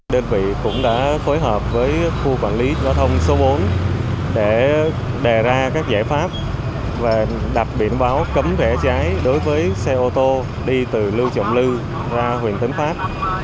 đơn vị cũng đã phối hợp với khu quản lý giao thông số bốn để đề ra các giải pháp và đặt biển báo cấm rẻ trái đối với xe ô tô đi từ lưu trọng lưu ra huỳnh tấn pháp